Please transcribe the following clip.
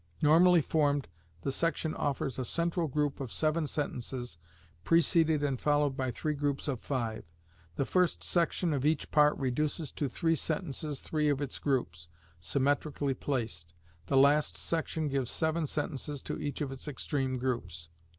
Normally formed, the section offers a central group of seven sentences, preceded and followed by three groups of five: the first section of each part reduces to three sentences three of its groups, symmetrically placed; the last section gives seven sentences to each of its extreme groups.